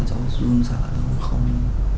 cháu zoom sợ lúc không